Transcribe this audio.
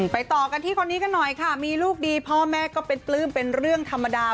ต่อกันที่คนนี้กันหน่อยค่ะมีลูกดีพ่อแม่ก็เป็นปลื้มเป็นเรื่องธรรมดา